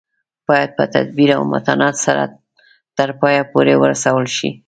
باید په تدبیر او متانت سره تر پایه پورې ورسول شي.